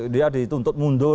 dia dituntut mundur